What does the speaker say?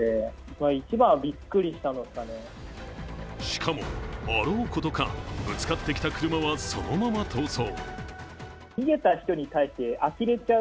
しかも、あろうことかぶつかってきた車はそのまま逃走。